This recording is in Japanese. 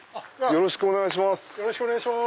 よろしくお願いします。